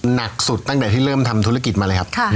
หนักสุดตั้งแต่ที่เริ่มทำธุรกิจมาเลยครับ